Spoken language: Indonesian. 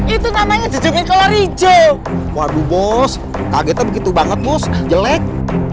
itu namanya jejumnya kolor hijau waduh bos kaget begitu banget bos jelek